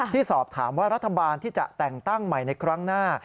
ที่สอบถามว่ารัฐบาลที่จะแต่งตั้งใหม่ในครั้งหน้า